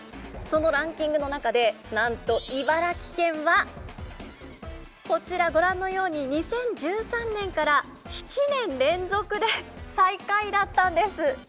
そのランキングの中でなんと茨城県はこちらご覧のように２０１３年から７年連続で最下位だったんです。